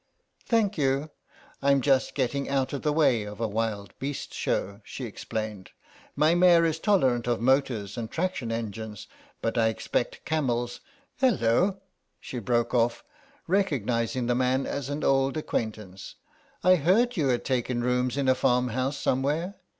"Thank you. I'm just getting out of the way of a wild beast show," she explained; "my mare is tolerant of motors and traction engines, but I expect camels—hullo," she broke off, recognising the man as an old acquaintance, "I heard you had taken rooms in a farmhouse somewhere.